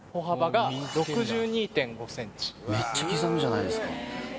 めっちゃ刻むじゃないですか。